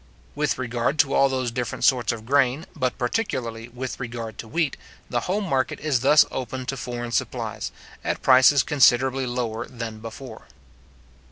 With regard to all those different sorts of grain, but particularly with regard to wheat, the home market is thus opened to foreign supplies, at prices considerably lower than before.